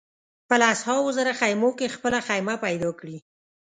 په لسهاوو زره خېمو کې خپله خېمه پیدا کړي.